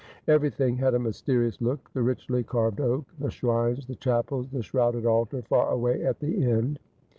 Everything had a mysterious look ; the richly carved oak, the shrines, the chapels, the shrouded altar far away at the end.